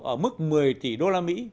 ở mức một mươi tỷ usd